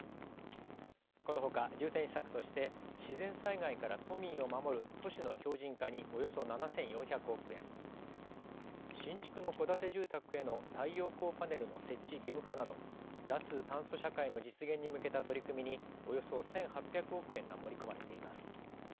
このほか重点施策として自然災害から都民を守る都市の強じん化におよそ７４００億円、新築の戸建て住宅への太陽光パネルの設置義務化など脱炭素社会の実現に向けた取り組みにおよそ１８００億円が盛り込まれています。